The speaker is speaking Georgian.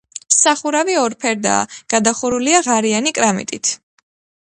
სახურავი ორფერდაა, გადახურულია ღარიანი კრამიტით.